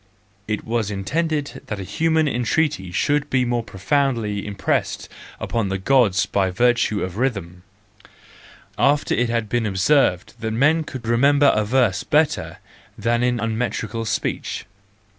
It was intended that a human entreaty should be more profoundly im¬ pressed upon the Gods by virtue of rhythm, after it had been observed that men could remember a verse better than an unmetrical speech.